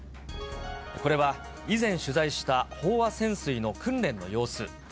これは以前取材した、飽和潜水の訓練の様子。